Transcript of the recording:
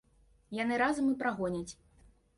Яны разам і прагоняць.